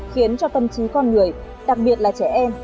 khiến cho tâm trí con người đặc biệt là trẻ em